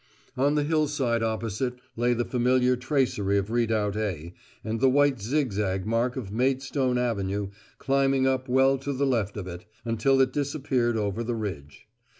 On the hill side opposite lay the familiar tracery of Redoubt A, and the white zigzag mark of Maidstone Avenue climbing up well to the left of it, until it disappeared over the ridge.